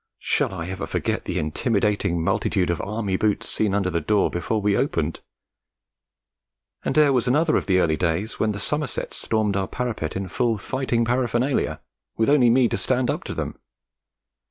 Shall I ever forget the intimidating multitude of Army boots seen under the door before we opened! And there was another of the early days, when the Somersets stormed our parapet in full fighting paraphernalia, with only me to stand up to them.